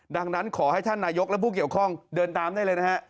ดังนั้นขอให้ท่านนายกและผู้เกี่ยวข้องเดินตามได้เลยนะฮะ